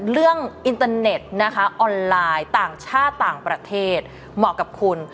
อินเตอร์เน็ตนะคะออนไลน์ต่างชาติต่างประเทศเหมาะกับคุณ